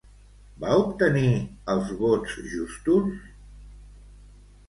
Va obtenir els vots justos?